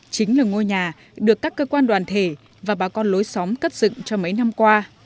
chính là ngôi nhà được các cơ quan đoàn thể và bà con lối xóm cất dựng cho mấy năm qua